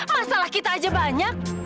masalah kita aja banyak